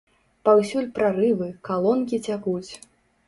Паўсюль прарывы, калонкі цякуць!